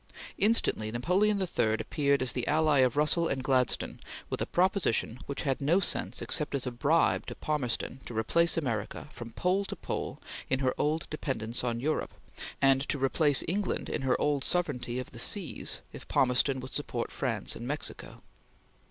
Instantly Napoleon III appeared as the ally of Russell and Gladstone with a proposition which had no sense except as a bribe to Palmerston to replace America, from pole to pole, in her old dependence on Europe, and to replace England in her old sovereignty of the seas, if Palmerston would support France in Mexico.